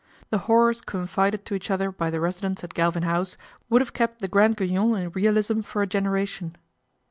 The horrors confided to each other by the residents at Galvin House would have kept the Grand Guignol in realism for a generation.